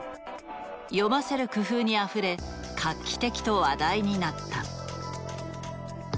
読ませる工夫にあふれ画期的と話題になった。